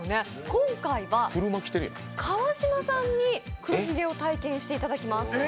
今回は、川島さんに黒ひげを体験していただきます。